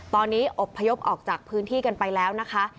ตอนนี้อบพยพออกจากพื้นที่กันไปแล้วนะคะ